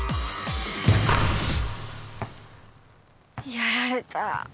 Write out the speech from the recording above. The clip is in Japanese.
やられた。